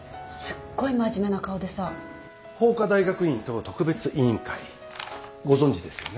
法科大学院等特別委員会ご存じですよね？